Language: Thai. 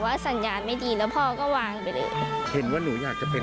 สัญญาณไม่ดีแล้วพ่อก็วางไปเลยเห็นว่าหนูอยากจะเป็น